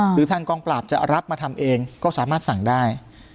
หรือทางกองปราบจะรับมาทำเองก็สามารถสั่งได้